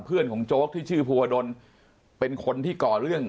ของโจ๊กที่ชื่อภูวดลเป็นคนที่ก่อเรื่อง